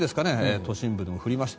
都心部に降りました。